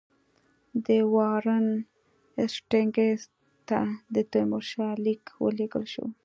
د وارن هېسټینګز ته د تیمورشاه لیک ولېږل شو.